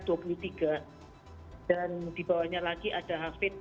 dan di bawahnya lagi ada hafidz